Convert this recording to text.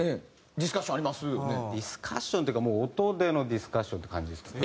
ディスカッションっていうかもう音でのディスカッションって感じですかね。